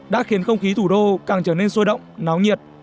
đã khiến không khí thủ đô càng trở nên sôi động náo nhiệt